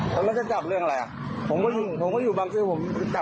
เดี๋ยวรอเลยด้วยมันล่ะ